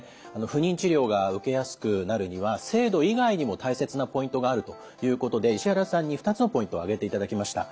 不妊治療が受けやすくなるには制度以外にも大切なポイントがあるということで石原さんに２つのポイント挙げていただきました。